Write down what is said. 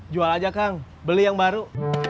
jual aja kang beli yang baru